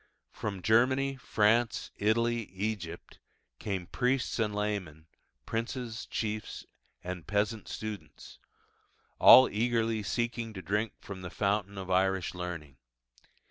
From Germany, France, Italy, Egypt, came priests and laymen, princes, chiefs, and peasant students all eagerly seeking to drink from the fountain of Irish learning.